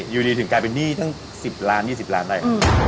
อยู่ดีถึงกลายเป็นหนี้ตั้ง๑๐ล้าน๒๐ล้านได้